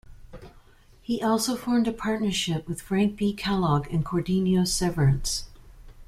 He also formed a partnership with Frank B. Kellogg and Cordenio Severance.